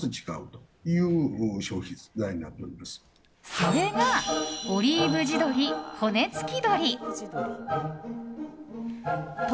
それがオリーブ地鶏骨付鶏。